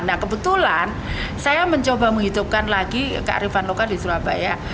nah kebetulan saya mencoba menghidupkan lagi kearifan lokal di surabaya